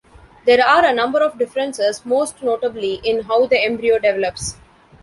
There are a number of differences, most notably in how the embryo develops.